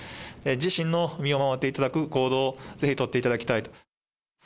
自身の身を守っていただく行動をぜひ取っていただきたいと。